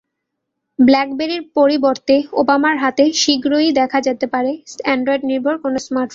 ব্ল্যাকবেরির পরিবর্তে ওবামার হাতে শিগগিরই দেখা যেতে পারে অ্যান্ড্রয়েডনির্ভর কোনো স্মার্টফোন।